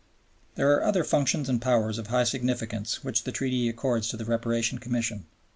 There are other functions and powers of high significance which the Treaty accords to the Reparation Commission.